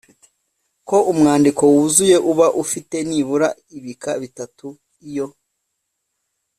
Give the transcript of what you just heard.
ko umwandiko wuzuye uba ufite nibura ibika bitatu. Iyo